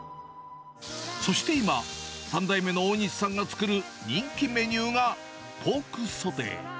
そして今、３代目の大西さんが作る人気メニューが、ポークソテー。